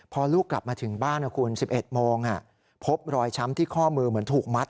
พอลูกกลับมาถึงบ้านนะคุณ๑๑โมงพบรอยช้ำที่ข้อมือเหมือนถูกมัด